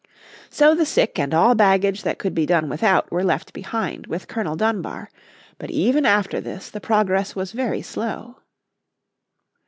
So the sick and all baggage that could be done without were left behind with Colonel Dunbar. But even after this the progress was very slow.